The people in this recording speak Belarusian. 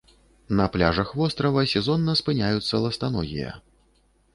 На пляжах вострава сезонна спыняюцца ластаногія.